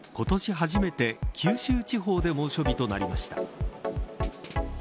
初めて九州地方で猛暑日となりました。